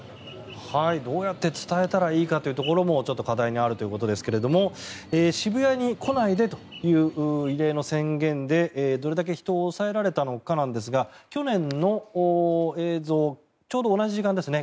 どうやって伝えたらいいかということもちょっと課題にあるということですが渋谷に来ないでという異例の宣言でどれだけ人を抑えられたのかですが去年の映像ちょうど同じ時間ですね。